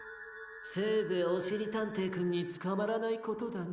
・せいぜいおしりたんていくんにつかまらないことだね。